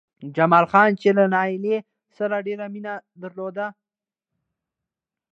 جمال خان چې له نايلې سره يې ډېره مينه درلوده